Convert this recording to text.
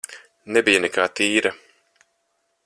Nebija nekā tīra.